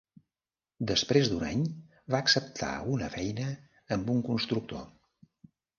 Després d'un any, va acceptar una feina amb un constructor.